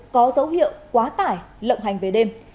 có dấu hiệu quá tải lộng hành về đêm